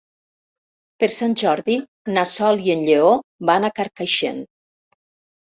Per Sant Jordi na Sol i en Lleó van a Carcaixent.